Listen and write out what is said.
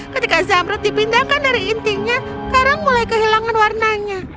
ketika zamrut dipindahkan dari intinya karang mulai kehilangan warnanya